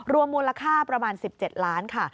มูลค่าประมาณ๑๗ล้านค่ะ